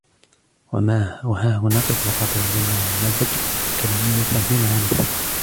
وَهَا هُنَا قِسْمٌ رَابِعٌ يَمْنَعُ مِنْ مَعْرِفَةِ الْكَلَامِ وَفَهْمِ مَعَانِيهِ